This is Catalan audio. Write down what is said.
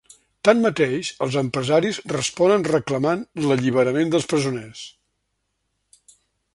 Tanmateix, els empresaris responen reclamant l’alliberament dels presoners.